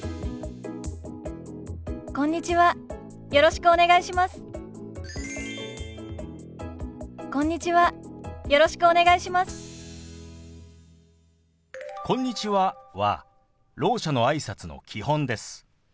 「こんにちは」はろう者のあいさつの基本です。